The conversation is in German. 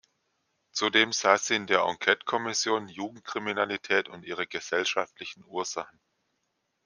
Zudem saß sie in der Enquete-Kommission „Jugendkriminalität und ihre gesellschaftlichen Ursachen“.